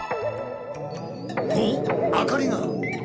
おっ明かりが！